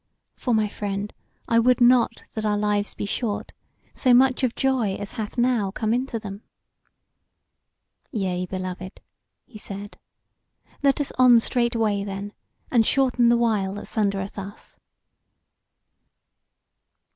For, my friend, I would not that our lives be short, so much of joy as hath now come into them." "Yea, beloved," he said, "let us on straightway then, and shorten the while that sundereth us."